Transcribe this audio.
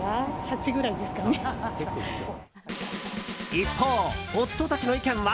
一方、夫たちの意見は？